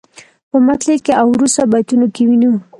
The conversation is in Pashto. په مطلع کې او وروسته بیتونو کې وینو.